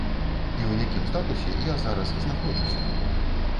І ў якім статусе я зараз знаходжуся?